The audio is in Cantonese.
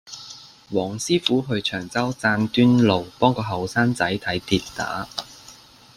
黃師傅去長洲贊端路幫個後生仔睇跌打